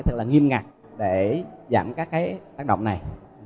thật là nghiêm ngặt để giảm các cái tác động này